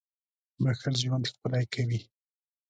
• بښل ژوند ښکلی کوي.